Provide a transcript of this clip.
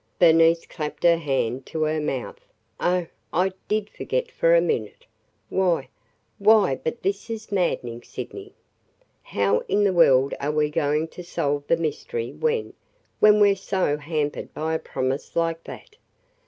Bernice clapped her hand to her mouth. "Oh, I did forget for a minute! Why – why but this is maddening, Sydney! How in the world are we going to solve the mystery when – when we 're so hampered by a promise like that?"